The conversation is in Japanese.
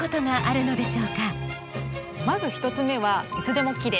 まず１つ目は「いつでもきれい」。